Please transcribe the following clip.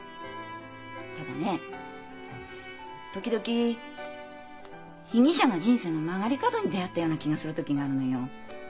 ただね時々被疑者の人生の曲がり角に出会ったような気がする時があるのよ。